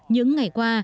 những ngày qua